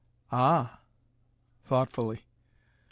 "Ah!" thoughtfully.